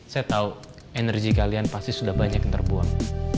saya tahu energi kalian pasti sudah banyak yang terbuang